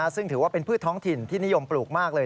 ซึ่งถือว่าเป็นพืชท้องถิ่นที่นิยมปลูกมากเลย